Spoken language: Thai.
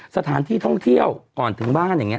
สถานที่ท่องเที่ยวก่อนถึงบ้านอย่างนี้